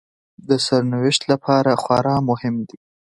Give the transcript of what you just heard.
د سرنوشت لپاره خورا مهم دي